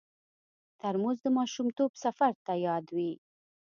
ترموز د ماشومتوب سفر ته یاد دی.